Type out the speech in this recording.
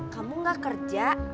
kamu enggak kerja